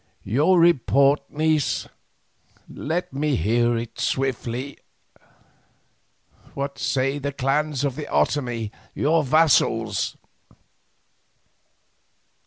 Your report, niece; let me hear it swiftly. What say the clans of the Otomie, your vassals?"